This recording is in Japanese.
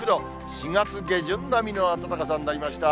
４月下旬並みの暖かさになりました。